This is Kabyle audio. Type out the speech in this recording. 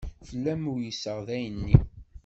Fell-am uyseɣ dayen-nni.